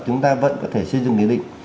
chúng ta vẫn có thể xây dựng lý định